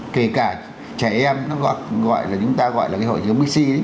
kể cả trẻ em chúng ta gọi là hội chứa mixi